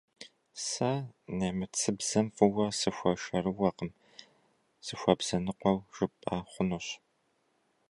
Сэ нэмыцэбзэм фӏыуэ сыхуэшэрыуэкъым, сыхуэбзэныкъуэу жыпӏэ хъунущ.